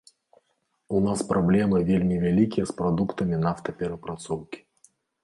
У нас праблемы вельмі вялікія з прадуктамі нафтаперапрацоўкі.